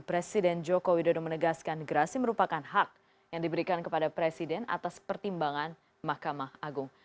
presiden joko widodo menegaskan gerasi merupakan hak yang diberikan kepada presiden atas pertimbangan mahkamah agung